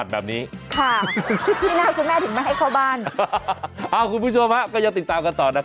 ใช้เมียได้ตลอด